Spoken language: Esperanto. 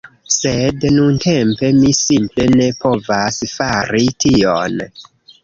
Sed nuntempe, mi simple ne povas fari tion